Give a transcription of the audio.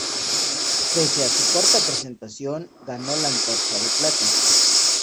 Pese a su corta presentación, ganó la Antorcha de plata.